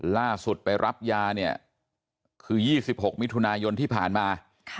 ล่าสุดไปรับยาเนี่ยคือ๒๖มิถุนายนที่ผ่านมา